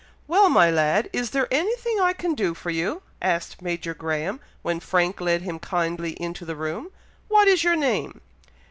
"Well, my lad! Is there anything I can do for you?" asked Major Graham, when Frank led him kindly into the room. "What is your name?"